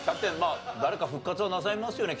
あ誰か復活はなさいますよね？